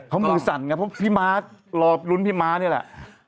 เขามือสั่นไงเพราะพี่ม้ารอลุ้นพี่ม้านี่แหละ